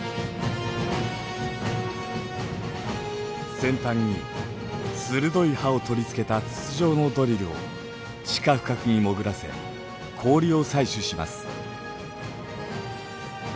先端に鋭い歯を取り付けた筒状のドリルを地下深くに潜らせ氷を採取します。